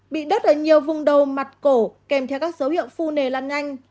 bị đất ở nhiều vùng đầu mặt cổ kèm theo các dấu hiệu phu nề lan nhanh